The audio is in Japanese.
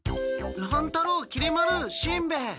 乱太郎きり丸しんべヱ。